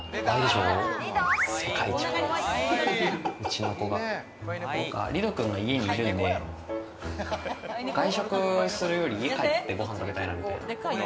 世界一かわいいうちの子が、リドくんが家にいるんで、外食するより家帰ってご飯食べたいなみたいな。